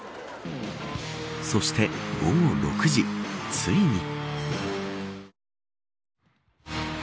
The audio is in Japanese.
そして、午後６時ついに。